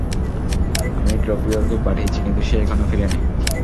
আমি ড্রপিয়রকে পাঠিয়েছি, কিন্তু সে এখনো ফিরেনি।